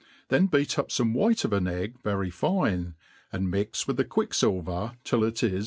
then beat uf^fbme white of an egg very fine, and mix with the quickfilver till it is.